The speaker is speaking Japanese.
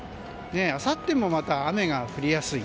あさってもまた雨が降りやすい。